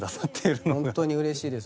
ほんとにうれしいです。